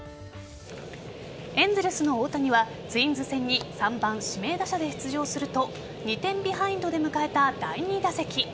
エンゼルスの大谷はツインズ戦に３番・指名打者で出場すると２点ビハインドで迎えた第２打席。